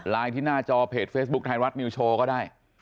ที่หน้าจอเพจเฟซบุ๊คไทยรัฐนิวโชว์ก็ได้